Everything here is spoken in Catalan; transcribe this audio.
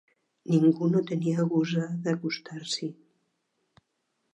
Ningú no tenia gosar d'acostar-s'hi.